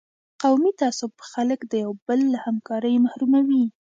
قومي تعصب خلک د یو بل له همکارۍ محروموي.